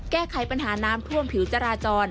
แก้ไขปัญหาน้ำท่วมผิวจราจร